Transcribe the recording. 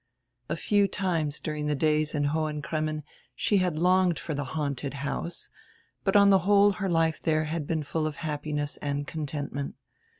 A few times during die days in Hohen Cremmen she had longed for die "Haunted house," but on the whole her life diere had been full of happiness and contentment.